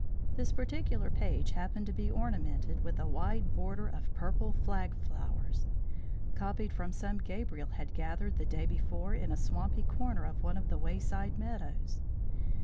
This particular page happened to be ornamented with a wide border of purple flag flowers, copied from some Gabriel had gathered the day before in a swampy corner of one of the wayside meadows.